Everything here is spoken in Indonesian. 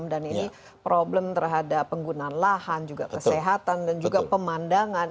dan ini problem terhadap penggunaan lahan juga kesehatan dan juga pemandangan